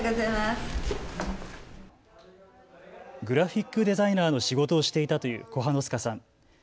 グラフィックデザイナーの仕事をしていたというコハノスカさん。